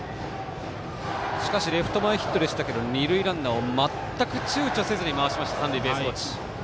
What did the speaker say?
しかしレフト前ヒットでしたけど二塁ランナーをちゅうちょせずに回しました三塁ベースコーチ。